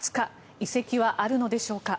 移籍はあるのでしょうか。